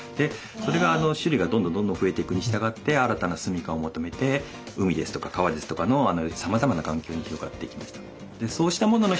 それが種類がどんどんどんどん増えていくにしたがって新たな住みかを求めて海ですとか川ですとかのさまざまな環境に広がっていきました。